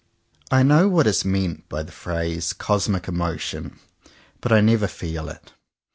I know what is meant by the phrase ''cosmic emotion" but I never feel it.